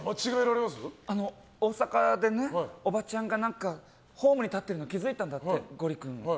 大阪でおばちゃんがホームに立ってるの気づいたんだってゴリ君が。